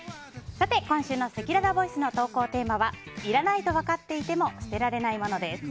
さて、今週のせきららボイスの投稿テーマはいらないと分かっていても捨てられない物です。